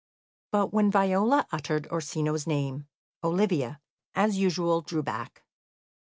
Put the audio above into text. But when Viola uttered Orsino's name, Olivia, as usual, drew back.